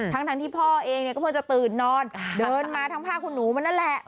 ทั้งที่พ่อเองเนี่ยก็เพิ่งจะตื่นนอนเดินมาทั้งผ้าคุณหนูมันนั่นแหละ